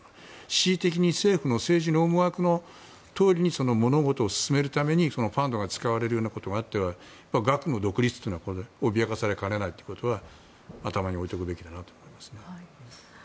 恣意的に政府の政治の思惑のとおりに物事を進めるためにファンドが使われるようなことがあっては学の独立というのは脅かされないということは頭に置いておくべきだと思いますね。